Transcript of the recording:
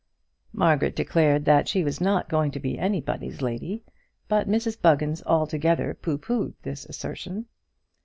Margaret declared that she was not going to be anybody's lady, but Mrs Buggins altogether pooh poohed this assertion.